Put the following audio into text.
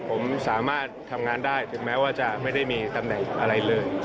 ผมสามารถทำงานได้ถึงแม้ว่าจะไม่ได้มีตำแหน่งอะไรเลย